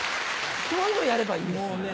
そういうのをやればいいんですよ。